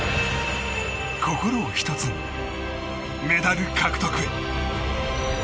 心を１つに、メダル獲得へ。